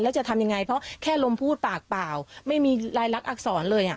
แล้วจะทำยังไงเพราะแค่ลมพูดปากเปล่าไม่มีรายลักษรเลย